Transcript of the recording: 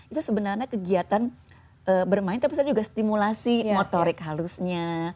itu sebenarnya kegiatan bermain tapi saya juga stimulasi motorik halusnya